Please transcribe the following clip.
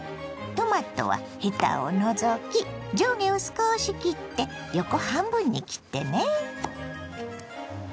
トマトはヘタを除き上下を少し切って横半分に切ってね。